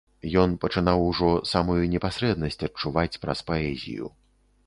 Ён пачынаў ужо самую непасрэднасць адчуваць праз паэзію.